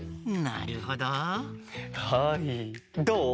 なるほど。